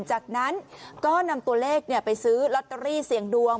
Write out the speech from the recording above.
จากนั้นก็นำตัวเลขไปซื้อลอตเตอรี่เสี่ยงดวง